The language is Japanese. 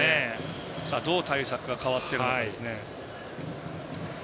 どう対策が変わってるのかですね。